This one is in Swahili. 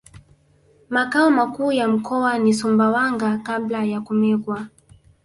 Makao makuu ya mkoa ni Sumbawanga Kabla ya kumegwa